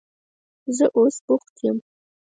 زه اوس بوخت یم.